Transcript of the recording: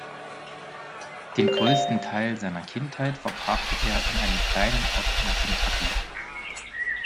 Den größten Teil seiner Kindheit verbrachte er in einem kleinen Ort in Kentucky.